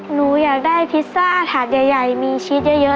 หนูอยากได้พิซซ่าถาดใหญ่มีชีสเยอะ